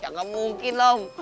ya gak mungkin om